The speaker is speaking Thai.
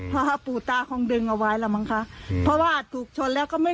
พระปู่ตาคงดึงเอาไว้แล้วมั้งคะเพราะว่าถูกชนแล้วก็ไม่